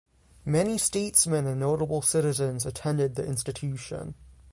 Many statesmen and notable citizens attended the institution.